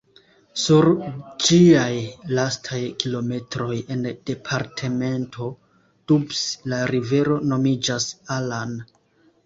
Sur ĝiaj lastaj kilometroj en departemento Doubs la rivero nomiĝas "Allan".